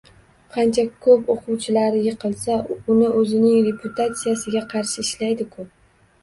Qancha ko‘p o‘quvchilari yiqilsa, uni o‘zining reputatsiyasiga qarshi ishlaydi-ku.